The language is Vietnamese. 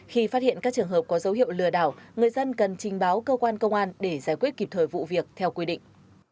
khi phát hiện các trường hợp có dấu hiệu lừa đảo người dân cần trình báo cơ quan công an để giải quyết kịp thời vụ việc theo quy định